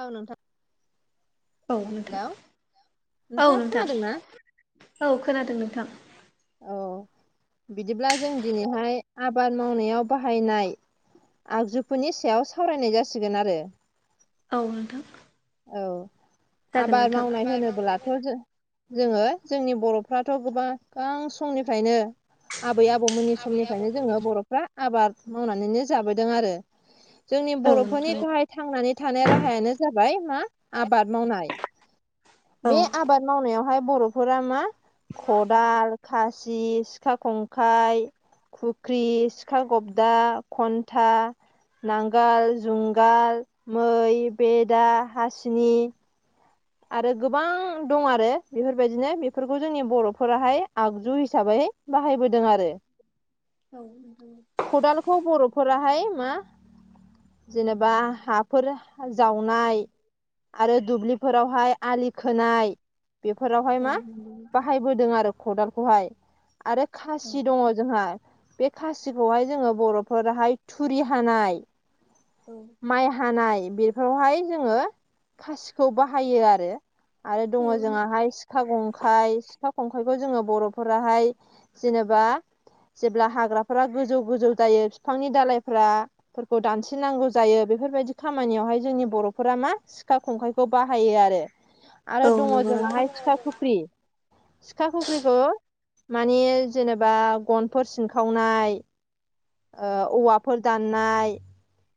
औ नोंथां। औ नोंथां हेलौ औ नोंथाङा नोंथां खोनादोंना औ खोनादों नोंथां। औ बिदिब्ला जों दिनैहाय आबाद मावनायाव बाहायनाय आगजुफोरनि सायाव सावरायनाय जासिगोन आरो। औ नोंथां औ जागोन आबाद नोंथां मावनाय होनोब्लाथ' जों जोङो जोंनि बर'फ्राथ' गोबां-बां समनिफ्रायनो आबै आबौमोननि समनिफ्रायनो जोङो बर'फ्रा आबाद मावनानैनो जाबोदों आरो। जोंनि औ बर'फोरनि नोंथां गाहाय थांनानै थानाय राहायानो जाबाय मा आबाद मावनाय औ बे आबाद मावनायावहाय बर'फोरा मा खदाल, खासि, सिखा खंखाइ, फुख्रि, सिखा गबदा, खन्था, नांगोल जुंगाल, मै, बेदा, हासिनि, आरो गोबां दं आरो बेफोरबायदिनो बेफोरखौ जोंनि बर'फोराहाय आगजु हिसाबै बाहायबोदों आरो। औ। [unintelligible] खदालखौ बर'फोराहाय मा जेनेबा हाफोर जावनाय आरो दुब्लि फोरावहाय आलि खोनाय बेफोरावहाय औ नोंथां औ मा नंगौ नोंथां बाहाय बोदों आरो खदालखौहाय आरो औ खासि दङ' जोंहा बे खासिखौहाय जोङो बर'फोराहाय थुरि हानाय औ माइ हानाय बेफोरावहाय जोङो खासि खौ बाहायो आरो आरो दङ' जोंहाहाय सिखा गं खाय सिखा खंखाइखौ जोङो बर'फोराहाय जेनेबा जेब्ला हाग्राफोरा गोजौ गोजौ जायो बिफांनि दालायफ्रा फोरखौ दानस्रिनांगौ जायो बेफोरबायदि खामानियावहाय जोंनि बर'फोरा मा सिखा खंखाय खौ बाहायो आरो आरो औ दङ' नंगौ नोंथां जोंहाहाय सिखा खुख्रि सिखा खुख्रिखौ माने जेनेबा गनफोर सिनखावनाय ओ औवाफोर दाननाय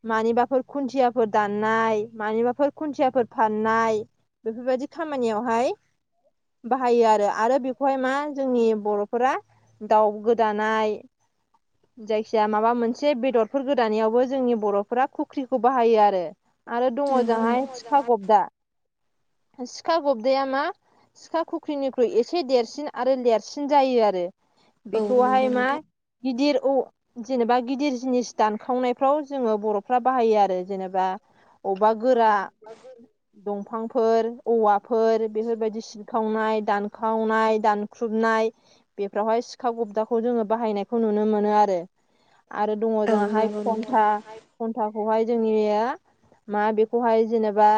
मानिबाफोर खुन्थियाफोर दाननाय मानिबाफोर खुन्थियाफोर फाननाय बेफोरबायदि खामानियावहाय बाहायो आरो आरो बे बेखौहाय मा जोंनि बर'फोरा दाउ गोदानाय जाय खिया माबा मोनसे बेदरफोर गोदानायावबो जोंनि बर'फोरा खुख्रिखौ बाहायो आरो। आरो दङ' नंगौ जोंहाय नंगौ सिखा गबदा सिखा गबदाया मा। सिखा खुख्रिनिख्रुइ एसे देरसिन आरो लेरसिन जायो आरो। औ नंगौ बेखौहाय मा नोंथां गिदिर औ। जेनेबा गिदिर जिनिस दानखावनायफ्राव जोङो बर'फ्रा बाहायो आरो जेनेबा। अबेबा औ गोरा दंफांफोर औवा। फोर बेफोरबायदि सिबखावनाय दानखावनाय दानख्रुबनाय। बेफ्रावहाय सिखा गबदाखौ जोङो बाहायनायखौ नुनो मोनो आरो। आरो दङ' औ जोंहा हाय नंगौ नोंथां खन्था खन्थाखौहाय जोंनिया। मा बेखौहाय जेनेबा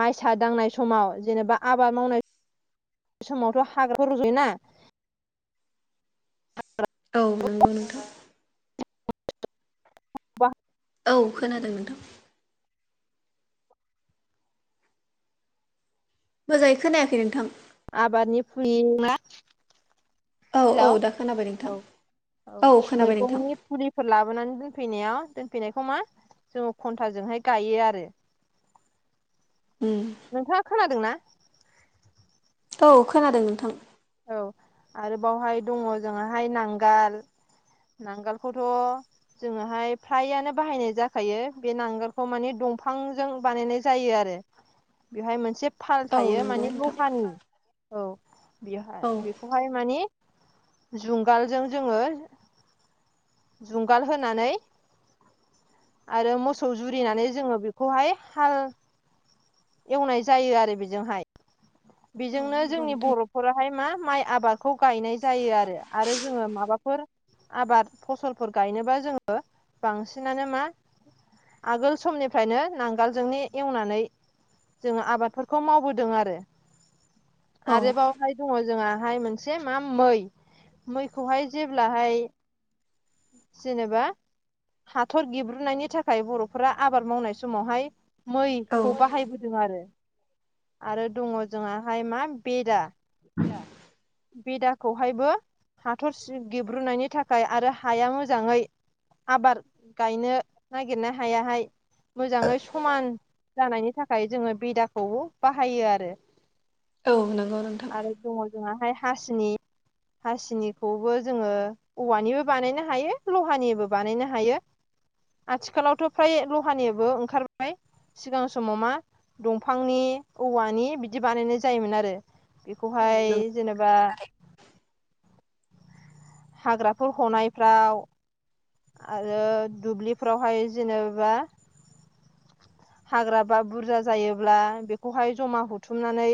माइसा दांनाय समाव जेनेबा आबाद मावनाय समावथ' हाग्राखौ रुज'योना। औ नंगौ नोंथां। [unintelligible] औ खोनादों नोंथां। मोजाङै खोनायाखै नोंथां। आबादनि फुलि मा। हेल' औ दा खोनाबाय नोंथां औ औ खोनाबाय नोंथां मैगंनि। फुलिफोर लाबोनानै दोनफैनायाव दोनफैनायखौ मा जोङो खन्थाजोंहाय गायो आरो। उम नोंथाङा खोनादों ना? औ खोनादों नोंथां। औ आरोबावहाय दङ' जोंहाहाय नांगाल। नांगोलखौथ'। जोङोहाय फ्रायानो बाहायनाय जाखायो बे नांगोलखौ माने दंफांजों बानायनाय। जायो आरो बेहाय मोनसे फाल औ थायो नंगौ मानि नोंथां लहानि। औ बेहाय औ बेखौहाय माने जुंगालजों जोङो। जुंगाल होनानै आरो मोसौ औ जुरिनानै जोङो बे खौहाय हाल एवनाय जायो आरो बेजोंहाय। औ बेजोंनो नंगौ जोंनि नोंथां बर' नखरावहाय मा माइ आबादखौ गायनाय जायो आरो आरो जोङो माबाफोर। आबाद फसलफोर गायनोबा जोङो बांसिनानो मा। आगोल समनिफ्रायनो नांगोलजोंनो एवनानै। जोङो आबादफोरखौ मावबोदों आरो औ आरोबाव। हाय दङ जोंहाहाय मोनसे मा मै मैखौहाय जेब्लाहाय जेनेबा हाथर गेब्रुनायनि थाखाय बर'फोरा आबाद मावनाय समावहाय औ मैखौ बाहायबोदों आरो आरो दङ जोंहाहाय मा बेदा। [inaudible] बेदाखौहायबो हाथर सि गेब्रुनायनि थाखाय आरो हाया मोजाङै आबार गायनो नागिरनो हायाहाय मोजाङै समान जानायनि थाखाय जोङो बेदाखौ बाहायो आरो। औ नंगौ नोंथां आरो दङ जोंहाहाय हासिनि। हासिनिखौबो जोङो औवानिबो बानायनो हायो लहानिबो बानायनो हायो। आथिखालावथ' फ्राय लहानिबो ओंखारबाय। सिगां समाव मा दंफांनि औवानि बिदि बानायनाय जायोमोन आरो। औ बेखौहाय नंगौ जेनोबा हाग्राफोर हनायफ्राव‌ आरो दुब्लिफ्रावहाय जेनोबा हाग्रा बा बुरजा जायोब्ला बेखौहाय जमा हथुमनानै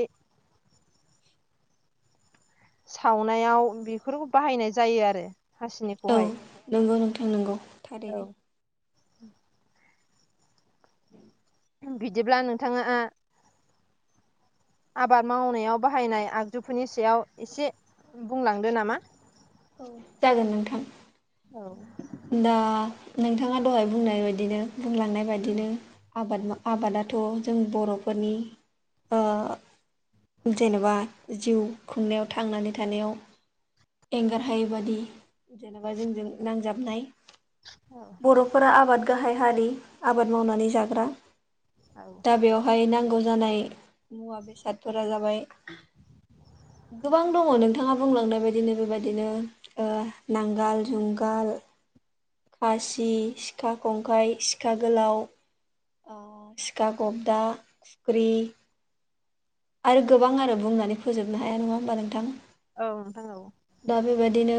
सावनायाव बेफोरखौ बाहायनाय जायो आरो। औ हासिनिखौहाय नंगौ नोंथां नंगौ औ थारैनो। बिदिब्ला नोंथाङा आबाद मावनायाव बाहायनाय आगजुफोरनि सायाव एसे बुंलांदो नामा। औ जागोन नोंथां। औ दा नोंथाङा दहाय बुंनाय बायदिनो बुंलांनाय बायदिनो आबाद आबादाथ' जों बर'फोरनि ओ जेन'बा जिउ खुंनायाव थांनानै थानायाव एंगार हायै बादि जेनेबा जोंजों नांजाबनाय। औ बर'फोरा आबाद गाहाइ हारि आबाद मावनानै जाग्रा औ दा बेयाव फाय नांगौ जानाय मुवा बेसादफोरा जाबाय गोबां दङ नोंथाङा बुंलांनाय बायदिनो बेबाय दिनो ओ नांगाल जुंगाल खासि, सिखा खंखाइ, सिखा गोलाव। आ सिखा गबदा, खुख्रि। आरो गोबां आरो बुंनानै फोजोबनो हाया नङा होमबा नोंथां। औ नोंथां औ। दा बेबादिनो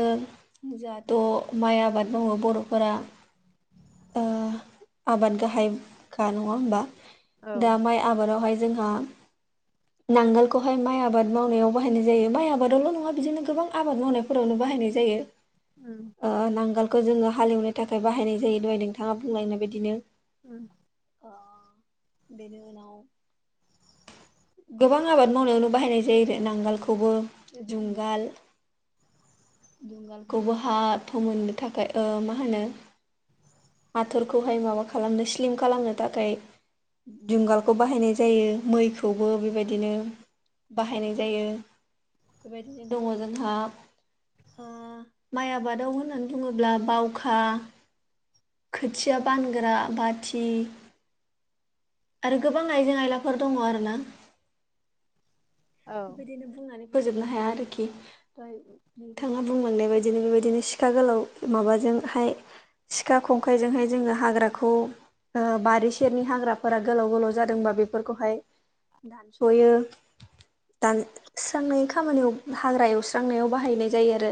जाहाथ' माइ आबाद मावो बर'फोरा। ओ आबाद गाहाइखा नङा होमबा औ दा माइ आबादावहाय जोंहा नांगोलखौहाय माइ आबाद मावनायाव बाहायनाय जायो माइ आबादावल' नङा बिदिनो गोबां आबाद मावनायफोरावनो बाहायनाय जायो उम ओ नांगोल खौ जोङो हालेवनो थाखाय बाहायनाय जायो दहाय नोंथाङा बुंलांनाय बायदिनो। उम ओ बेनि उनाव गोबां आबाद मावनायावनो बाहायनाय जायो दे नांगालखौबो उम जुंगाल दुंगालखौबो हा फोमोननो थाखाय ओ मा होनो हाथरखौहाय माबा खालामनो स्लिम खालामनो थाखाय जुंगालखौ बाहायनाय जायो मैखौबो बेबायदिनो। बाहायनाय जायो बेबायदिनो दङ जोंहा। ओ माइ आबादाव होननानै बुङोब्ला बावखा खोथिया बानग्रा बाथि। आरो गोबां आइजें आयला फोर दङ आरोना। औ बिदिनो बुंनानै फोजोबनो हाया आरोखि। ओमफ्राय नों थाङा बुंलांनाय बायदिनो बेबायदिनो सिखा गोलाव माबाजों हाय सिखा खंखाइजों हाय जोङो हाग्राखौ आ बारि सेरनि हाग्रा फोरा गोलाव गोलाव जादोंबा बेफोर खौहाय दानस'यो दान स्रांनाय खामानियाव हाग्रा एवस्रां नायाव बाहायनाय जायो आरो।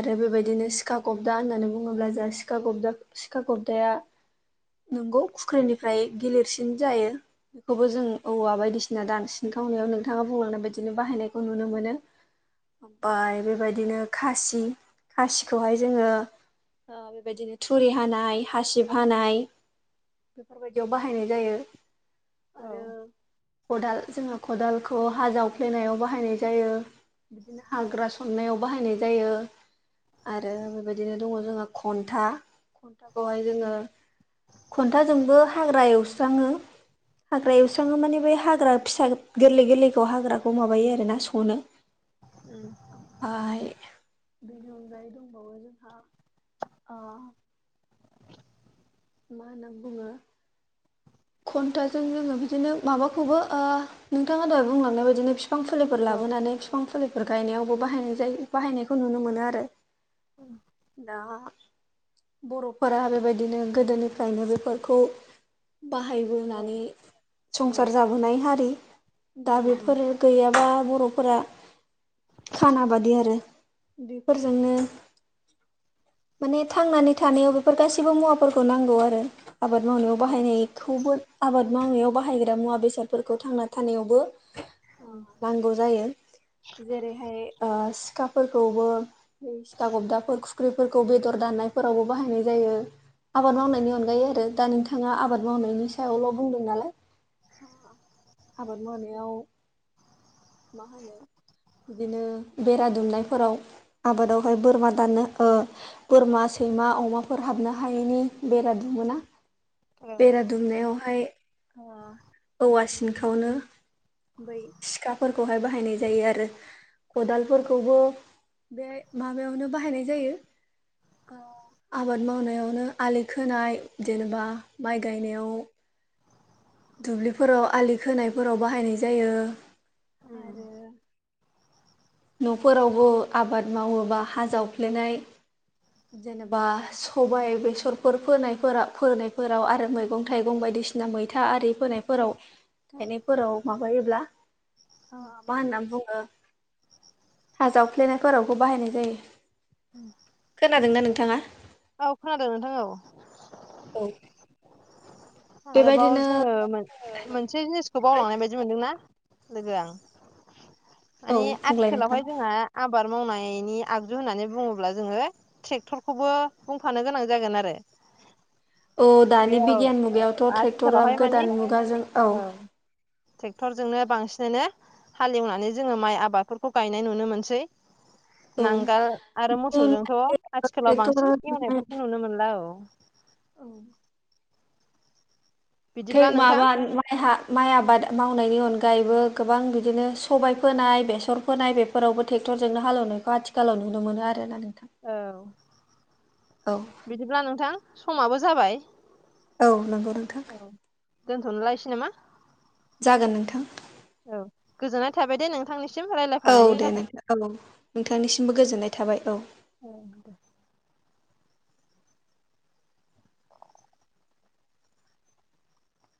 आरो बेबायदिनो सिखा गब्दा होननानै बुङोब्ला जोंहा सिखा गबदा सिखा गब्दाया नोंगौ खुख्रि निफ्राय गिलिर सिन जायो। खौबो जों औवा बायदिसिना दान सिन खावनायाव नोंथाङा बुंलांनाय बायदिनो बाहायनायखौ नुनो मोनो। फाय बेबायदिनो खासि खासि खौहाय जोङो बेबायदिनो थुरि हानाय हासिब हानाय बेफोर बायदियाव बाहायनाय जायो। औ आरो खदाल जोङो खदालखौ हा जावफ्ले नायाव बाहायनाय जायो। हाग्रा सननायाव बाहायनाय जायो। आरो बेबायदिनो दङ जोंहा खन्था खन्था खौहाय जोङो खन्था जोंबो हाग्रा एवस्राङो। हाग्रा एवस्राङो माने बे हाग्रा फिसा गोरलै गोरलैखौ हाग्राखौ माबायो आरोना सनो। उम ओमफाय बेनि अनगायै दंबावो जोंहा ओ मा होनना बुङो? कन्टाजों जोङो बिदिनो माबाखौबो ओ नोंथाङा दहाय बुंलांनाय बायदिनो फि फिफां फुलिफोर औ लाबोनानै फिफां फुलिफोर गायनायावबो बाहायनाय जायो बाहायनायखौ नुनो मोनो आरो। दा बर'फोरा बेबायदिनो गोदोनि फ्रायनो बेफोरखौ बाहाय औ बोनानै संसार जाबोनाय हारि। दा उम उम बेफोर गैयाबा बर'फोरा खाना बादि आरो बेफोर जोंनो माने थांनानै थानायाव बेफोर गासैबो मुवाफोरखौ नांगौ आरो आबाद मावनायाव औ बाहायनाय खौबो आबाद मावनायाव बाहायग्रा मुवा बेसादफोरखौ थांना थानायावबो उम नांगौ जायो जेरैहाय ओ सिखा फोरखौबो सिथा गब्दा फोर खुख्रि फोरखौ बेदर दाननाय फोरावबो बाहायनाय जायो। आबाद मावनायनि अनगायै आरो दा नोंथाङा आबाद मावनायनि सायावल' बुंदों नालाय। आबाद मावनायाव मा होनो बिदिनो बेरा दुमनाय फोराव। आबादाव हाय बोरमा दाननो ओ बोरमा सैमा अमाफोर हाबनो हायैनि बेरा दुमोना। औ बेरा दुमनायाव हाय औवा सिनखौनो बै सिखा फोरखौहाय बाहायनाय जायो आरो। खदाल फोरखौबो बे माबायावनो बाहायनाय जायो। आ आबाद मावनायावनो आलि खोनाय जेनेबा माइ गायनायाव दुब्लि फोराव आलि खोनाय फोराव बाहायनाय जायो। उ आरो [unintelligible] न'फोरावबो आबाद मावोबा हा जावफ्लेनाय [unintelligible] जेनेबा सबाइ बेसरफोर फोनाय फोरा फोनाय फोराव आरो मैगं थाइगं बायदिसि ना मैथा आरि फोनाय फोराव गायनाय फोराव माबायोब्ला आ मा होननानै बुङो हा जावफ्लेनाय फोरावबो बाहायनाय जायो। उ खोनादोंना नोंथाङा? औ खोनादों नोंथां औ। औ आरोबाव बेबायदिनो जोङो मोन-मोनसे जिनिसखौ बावलांनाय बाय बिदि मोनदोंना लोगोआ औ माने बुंलाय नोंथां आथिखालावहाय जोंहा आबाद मावनायनि आगजु होननानै बुङोब्ला जोङो ट्रेक्टरखौबो बुंफानो गोनां जागोन आरो। औ बे दानि औ बिगियान मुगायावथ' ट्रेक्टरा आथिखालावहाय माने गोदान मुगाजों औ ट्रेक्टरजोंनो बांसिनानो हालेवनानै जोङो माइ आबादफोरखौ गायनाय नुनो मोनसै। [inaudible] औ नांगोल आरो मोसौजोंथ' आथिखालाव ट्रेक्टर बांसिन एवनायफोरखौ नुनो मोनला औ। औ बिदिब्ला खाय नोंथां माबा माइहा माइ आबाद मावनायनि अनगायैबो गोबां बिदिनो सबाय फोनाय बेसर फोनाय बेफोरावबो ट्रेक्टरजोंनो हालौनायखौ आथिखालाव नुनो मोनो आरोना नोंथां। औ औ बिदिब्ला नोंथां समाबो जाबाय। औ नंगौ नोंथां। औ दोनथ'लायसै नामा? जागोन नोंथां। औ गोजोननाय थाबाय दे नोंथांनिसिम रायलाय औ दे नोंथां औ नोंथांनिसिमबो गोजोननाय थाबाय औ। औ [unintelligible]